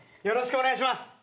よろしくお願いします。